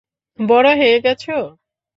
বড় হয়ে গেছ।